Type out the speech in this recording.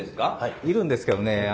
いるんですけどね